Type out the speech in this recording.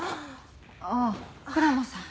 ああ倉間さん。